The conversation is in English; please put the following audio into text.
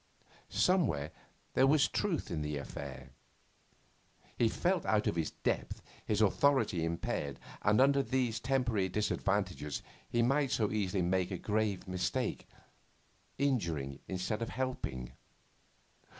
Somewhere there was truth in the affair. He felt out of his depth, his authority impaired, and under these temporary disadvantages he might so easily make a grave mistake, injuring instead of helping.